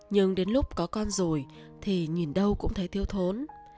nhưng đến lúc có con rồi thì nhìn đâu cũng thấy thiếu thốn